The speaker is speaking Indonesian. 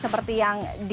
seperti yang dikatakan tadi